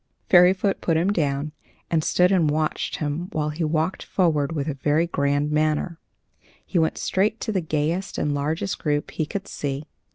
Fairyfoot put him down, and stood and watched him while he walked forward with a very grand manner. He went straight to the gayest and largest group he could see.